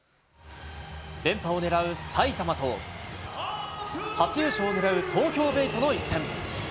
連覇を狙う埼玉と、初優勝をねらう東京ベイとの一戦。